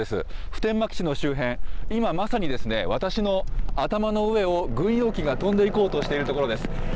普天間基地の周辺、今まさにですね、私の頭の上を軍用機が飛んでいこうとしているところです。